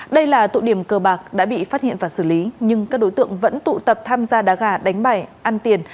đây là tụ điểm cờ bạc đã bị phát hiện và xử lý nhưng các đối tượng vẫn tụ tập tham gia đá gà đánh bài ăn tiền